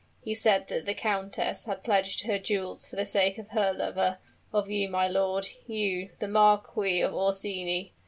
He said that the countess had pledged her jewels for the sake of her lover of you, my lord you, the Marquis of Orsini.